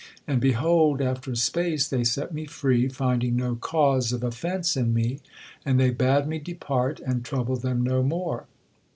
And behold, after a space they set me free, finding no cause of offence in me; and they bade me depart, and trouble them no more.